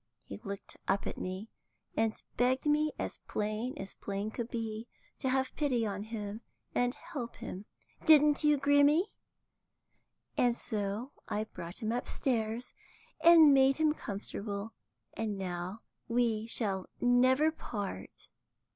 He looked up at me, and begged me as plain as plain could be to have pity on him and help him; didn't you, Grimmy? And so I brought him upstairs, and made him comfortable, and now we shall never part.